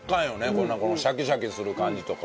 このシャキシャキする感じとか。